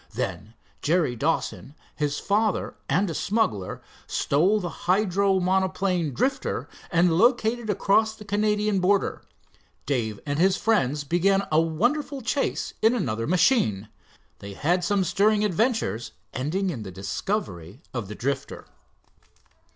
Then Jerry Dawson, his father and a smuggler stole the hydro monoplane, Drifter, and located across the Canadian border. Dave and his friends began a wonderful chase in another machine. They had some stirring adventures, ending in the discovery of the Drifter.